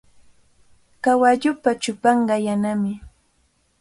Kawalluupa chupanqa yanami.